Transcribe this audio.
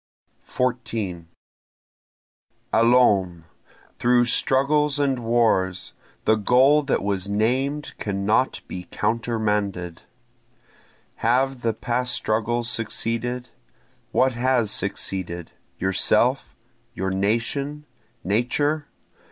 14 Allons! through struggles and wars! The goal that was named cannot be countermanded. Have the past struggles succeeded? What has succeeded? yourself? your nation? Nature?